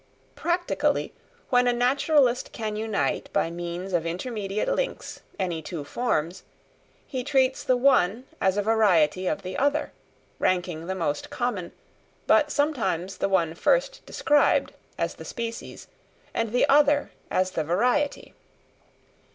Practically, when a naturalist can unite by means of intermediate links any two forms, he treats the one as a variety of the other, ranking the most common, but sometimes the one first described as the species, and the other as the variety.